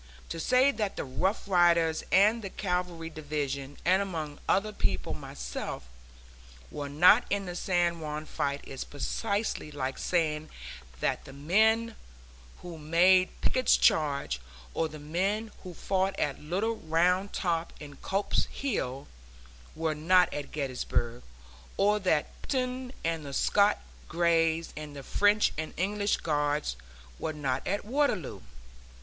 To say that the Rough Riders and the cavalry division, and among other people myself, were not in the San Juan fight is precisely like saying that the men who made Pickett's Charge, or the men who fought at Little Round Top and Culps Hill, were not at Gettysburg; or that Picton and the Scotch Greys and the French and English guards were not at Waterloo.